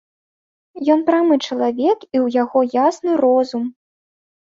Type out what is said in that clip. Ён прамы чалавек, і ў яго ясны розум.